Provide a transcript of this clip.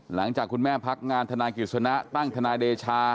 หลังจากคุณแม่พักงานทนายกิจสนะตั้งทนายเดชา